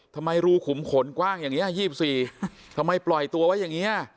ทำไมรูขุมขนกว้างอย่างนี้๒๔ทำไมปล่อยตัวไว้อย่างนี้